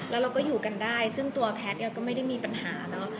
แล้วเราก็อยู่กันได้ซึ่งตัวแพทย์ก็ไม่ได้มีปัญหาเนอะ